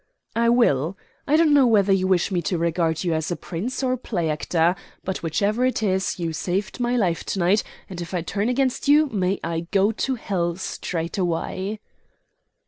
"I will. I don't know whether you wish me to regard you as a Prince or play actor; but, whichever it is, you saved my life to night, and if I turn against you may I go to hell straightway."